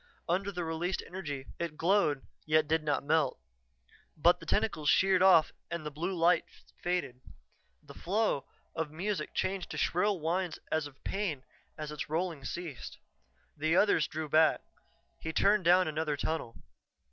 Under the released energy it glowed, yet did not melt. But the tentacles sheared off and the blue lights faded. The flow of music changed to shrill whines as of pain and its rolling ceased. The others drew back; he turned down another tunnel.